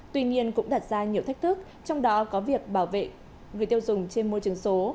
tuy nhiên cũng đặt ra nhiều thách thức trong đó có việc bảo vệ người tiêu dùng trên môi trường số